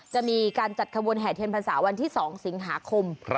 จะมีการจัดขบวนแห่เทียนพรรษาวันที่๒สิงหาคม